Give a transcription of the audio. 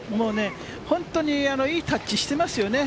本当にいいタッチをしてますよね。